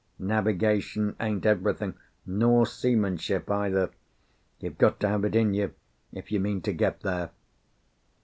Navigation ain't everything, nor seamanship either. You've got to have it in you, if you mean to get there.